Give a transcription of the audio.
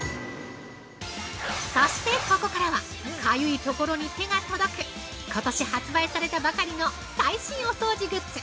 そしてここからは、かゆいところに手が届くことし発売されたばかりの最新お掃除グッズ